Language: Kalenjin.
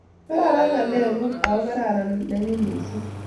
karan ngalek guk, ako karan nenyu mising'